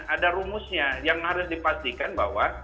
ada rumusnya yang harus dipastikan bahwa